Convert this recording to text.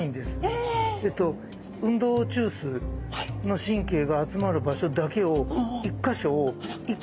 運動中枢の神経が集まる場所だけを一か所を一回刺す。